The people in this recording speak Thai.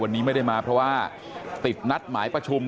วันนี้ไม่ได้มาเพราะว่าติดนัดหมายประชุม